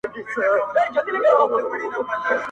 • د تور پيکي والا انجلۍ مخ کي د چا تصوير دی.